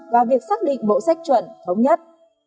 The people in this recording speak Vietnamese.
và việc xác định bộ sách chuẩn thống nhất